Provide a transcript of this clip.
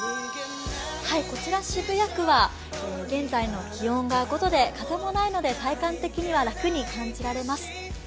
こちら渋谷区は現在の気温が５度で風もないので体感的には楽に感じられます。